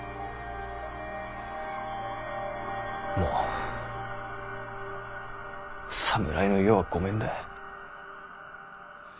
もう侍の世はごめんだ。